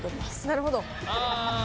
なるほど。